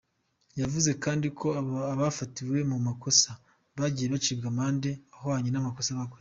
Yavuze kandi ko abafatiwe mu makosa bagiye gucibwa amande ahwanye n’amakosa bakoze.